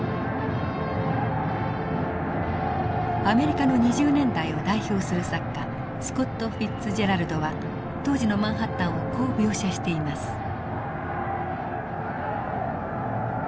アメリカの２０年代を代表する作家スコット・フィッツジェラルドは当時のマンハッタンをこう描写しています。